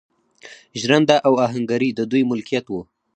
ژرنده او اهنګري د دوی ملکیت و.